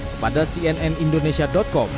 kepada cnn indonesia com